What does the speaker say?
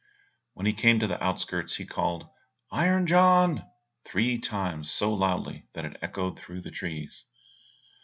When he came to the outskirts, he called "Iron John," three times so loudly that it echoed through the trees.